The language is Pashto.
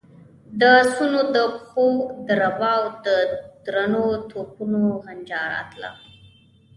د آسونو د پښو دربا او د درنو توپونو غنجا راتله.